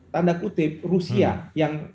tanda kutip rusia yang